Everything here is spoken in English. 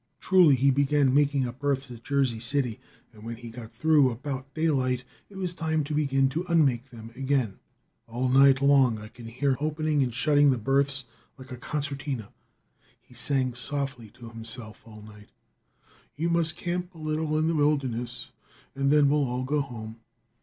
Truly, he began making up berths at Jersey City, and when he got through, about daylight, it was time to begin to unmake them again. All night long I could hear him opening and shutting the berths like a concertina. He sang softly to himself all night long: "You must camp a little in the wilderness And then we'll all go home."